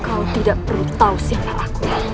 kau tidak perlu tahu sikap aku